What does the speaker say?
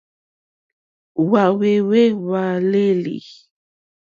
Hwáhwɛ̂hwɛ́ hwàlêlì.